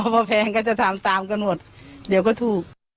พอแพงก็จะทำตามกันหมดเดี๋ยวก็ถูก